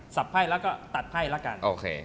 สับไพ่แล้วก็ตัดไพ่ละกัน